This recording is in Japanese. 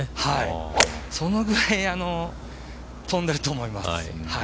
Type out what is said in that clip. そのぐらい飛んでいると思います